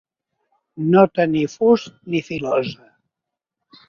No tenir fus ni filosa.